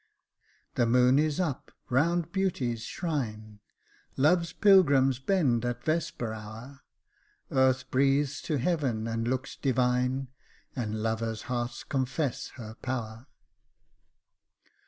"The moon is up, round beauty's shrine. Love's pilgrims bend at vesper hour, Earth breathes to heaven, and looks divine, And lovers' hearts confess her power.''